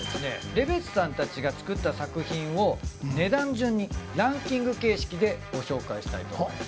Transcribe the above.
レベチさんたちが作った作品を値段順にランキング形式でご紹介したいと思います。